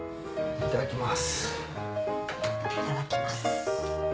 いただきます。